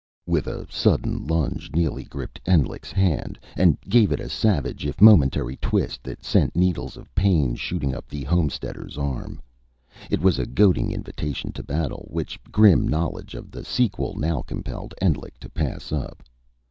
With a sudden lunge Neely gripped Endlich's hand, and gave it a savage if momentary twist that sent needles of pain shooting up the homesteader's arm. It was a goading invitation to battle, which grim knowledge of the sequel now compelled Endlich to pass up.